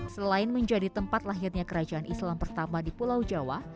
selain menjadi tempat lahirnya kerajaan islam pertama di pulau jawa